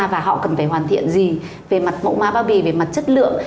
và họ cần phải hoàn thiện gì về mặt mẫu ma bao bì về mặt chất lượng